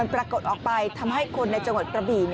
ปรากฏออกไปทำให้คนในจังหวัดกระบี่